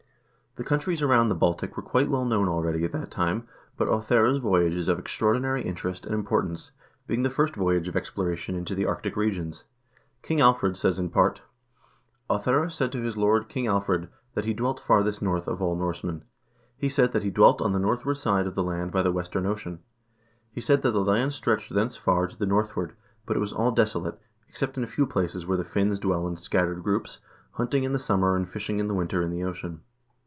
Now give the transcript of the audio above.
The countries around the Baltic were quite well known already at that time, but Ohthere's voyage is of extraordinary interest and impor tance, being the first voyage of exploration into the arctic regions. King Alfred says in part : "Ohthere said to his lord King Alfred that he dwelt farthest north of all Norsemen. He said that he dwelt on the northward side of the land by the western ocean. He said that the land stretched thence far to the northward, but it was all desolate, except in a few places where the Finns dwell in scattered groups, hunting in the summer and fishing in the winter in the ocean.